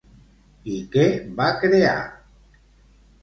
I què va crear?